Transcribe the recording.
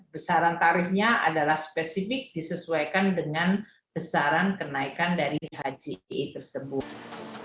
besaran tarifnya adalah spesifik disesuaikan dengan besaran kenaikan dari haji tersebut